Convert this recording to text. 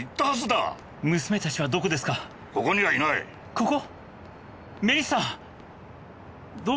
ここ？